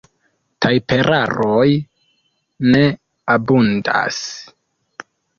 Tajperaroj ne abundas.